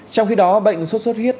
trong khi đó bệnh sốt xuất huyết